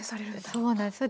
そうなんです。